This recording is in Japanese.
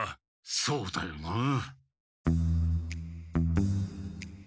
そうだよなあ。